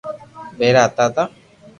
ڀآٺا ھتا تا